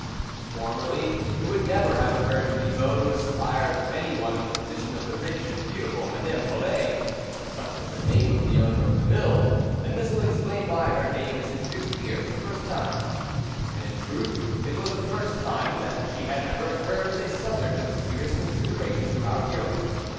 Formerly, it would never have occurred to Thibault to aspire to anyone in the position of the rich and beautiful Madame Polet, for such was the name of the owner of the mill ; and this will explain why her name is introduced here for the first time. And, in truth, it was the first time that she had ever occurred as a subject of serious consideration to our hero.